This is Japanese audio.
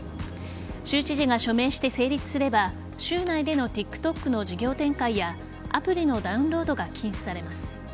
州知事が署名して成立すれば州内でのＴｉｋＴｏｋの事業展開やアプリのダウンロードが禁止されます。